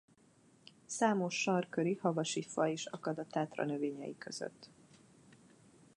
Számos sarkköri–havasi faj is akad a Tátra növényei között.